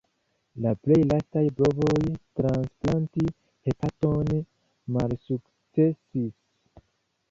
La plej lastaj provoj transplanti hepaton malsukcesis.